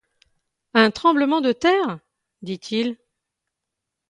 Un tremblement de terre ? dit-il.